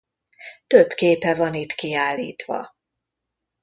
Több képe van itt kiállítva.